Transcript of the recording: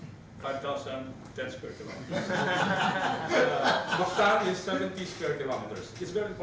ini sangat penting bagi semua karena narotin harus dilakukan atau direkam